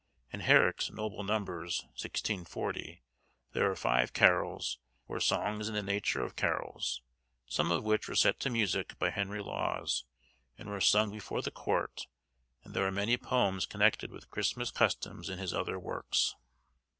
In Herrick's 'Noble Numbers,' 1640, there are five carols, or songs in the nature of carols, some of which were set to music by Henry Lawes, and were sung before the court, and there are many poems connected with Christmas customs in his other works.